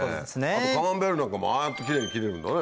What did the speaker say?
あとカマンベールなんかもああやってキレイに切れるんだね。